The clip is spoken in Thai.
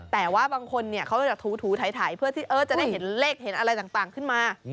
แต่ว่าบางคนเขาจะถูถ่ายเพื่อที่จะได้เห็นเลขเห็นอะไรต่างขึ้นมา